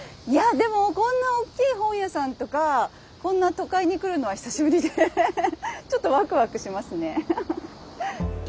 でもこんな大きい本屋さんとかこんな都会に来るのは久しぶりでちょっとワクワクしますね。